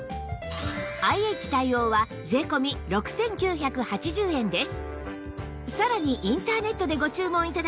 ＩＨ 対応は税込６９８０円です